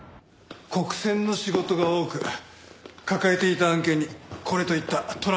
国選の仕事が多く抱えていた案件にこれといったトラブルはなかった。